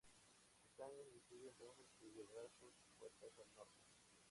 Stannis decide entonces que llevará sus fuerzas al Norte.